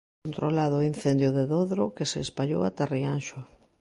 Controlado o incendio de Dodro que se espallou ata Rianxo.